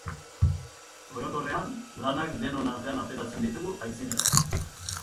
Orokorrean lanak denon artean ateratzen ditugu aitzinerat